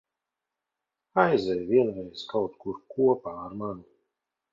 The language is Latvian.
Aizej vienreiz kaut kur kopā ar mani.